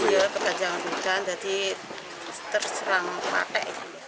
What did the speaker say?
iya kepanjangan hutan jadi terserang pake